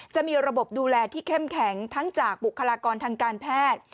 จะมีระบบดูแลที่เข้มแข็งทั้งจากบุคลากรทางการแพทย์